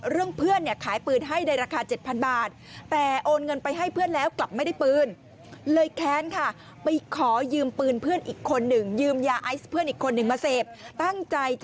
เรื่องเพื่อนเนี่ยขายปืนให้ในราคา๗๐๐บาทแต่โอนเงินไปให้เพื่อนแล้วกลับไม่ได้ปืนเลย